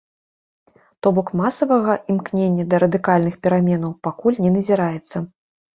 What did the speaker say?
То бок масавага імкнення да радыкальных пераменаў пакуль не назіраецца.